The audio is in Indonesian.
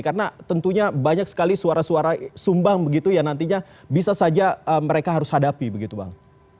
karena tentunya banyak sekali suara suara sumbang begitu ya nantinya bisa saja mereka harus hadapi begitu bang